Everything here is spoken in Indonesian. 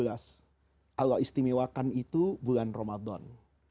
allah istimewakan itu bulan ramadan